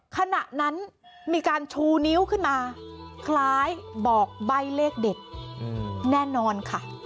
ขณะนั้นมีการชูนิ้วขึ้นมาคล้ายบอกใบ้เลขเด็ดแน่นอนค่ะ